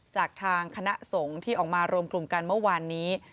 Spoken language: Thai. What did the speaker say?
จากทางคณะสงฆ์ที่ออกมารวมกลุ่มกันเมื่อวานนี้